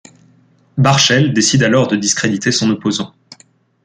Barschel décide alors de discréditer son opposant.